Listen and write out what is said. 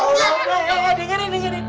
bang aku gak kuat banget ngelih disini